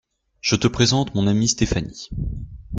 Je te présente mon amie Stéphanie.